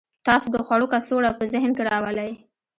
تاسو د خوړو کڅوړه په ذهن کې راولئ